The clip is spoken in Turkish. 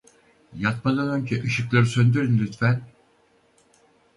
Yatmadan önce ışıkları söndürün lütfen.